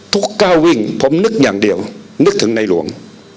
ก้าววิ่งผมนึกอย่างเดียวนึกถึงในหลวง